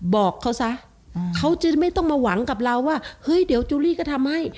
บอกเขาซะเขาจะไม่ต้องมาหวังกับเราว่าเฮ้ยเดี๋ยวจูรี่ก็ทำให้